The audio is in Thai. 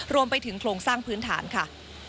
รวมไปถึงโครงสร้างพื้นฐานค่ะ